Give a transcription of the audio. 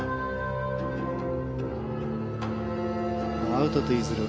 アウトツイズル。